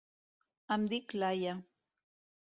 Em dic Laia.